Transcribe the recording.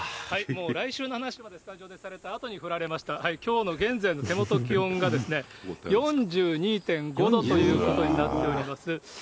来週の話までスタジオでされたあと振られました、きょうの現在の手元の気温が、４２．５度ということになっております。